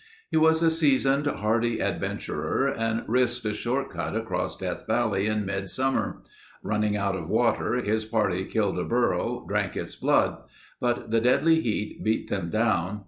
He was a seasoned, hardy adventurer and risked a short cut across Death Valley in mid summer. Running out of water, his party killed a burro, drank its blood; but the deadly heat beat them down.